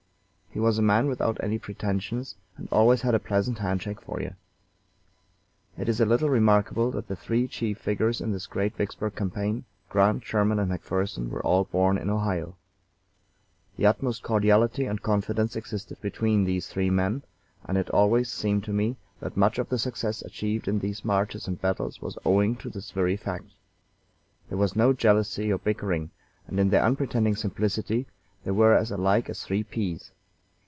He was a man without any pretensions, and always had a pleasant hand shake for you. It is a little remarkable that the three chief figures in this great Vicksburg campaign Grant, Sherman, and McPherson were all born in Ohio. The utmost cordiality and confidence existed between these three men, and it always seemed to me that much of the success achieved in these marches and battles was owing to this very fact. There was no jealousy or bickering, and in their unpretending simplicity they were as alike as three peas.